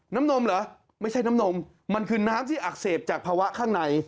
นมเหรอไม่ใช่น้ำนมมันคือน้ำที่อักเสบจากภาวะข้างใน